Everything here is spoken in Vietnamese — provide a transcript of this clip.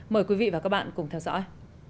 mời quý vị và các bạn cùng theo dõi